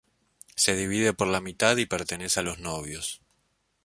Se divide por la mitad y pertenece a los novios.